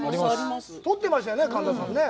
取ってましたよね、神田さん。